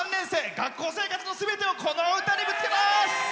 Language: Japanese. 学校生活のすべてをこの歌にぶつけます！